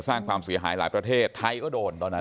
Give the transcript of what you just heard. สร้างความเสียหายหลายประเทศไทยก็โดนตอนนั้น